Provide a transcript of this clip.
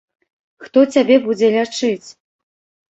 Хто цябе будзе лячыць?